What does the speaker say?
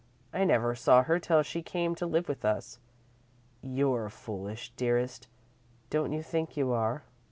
I never saw her till she came to live with us. You're foolish, dearest, don't you think you are?"